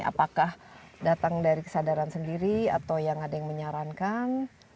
apakah datang dari kesadaran sendiri atau yang ada yang menyarankan